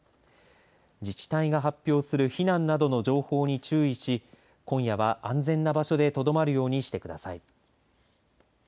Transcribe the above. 自治体が発表する避難などの情報に注意し今夜は安全な場所でとどまるようにしてください。